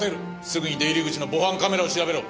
すぐに出入り口の防犯カメラを調べろ。